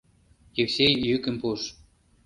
— Евсей йӱкым пуыш.